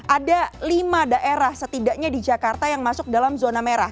ada lima daerah setidaknya di jakarta yang masuk dalam zona merah